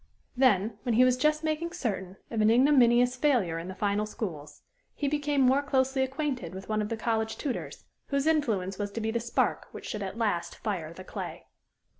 Then, when he was just making certain of an ignominious failure in the final schools, he became more closely acquainted with one of the college tutors, whose influence was to be the spark which should at last fire the clay.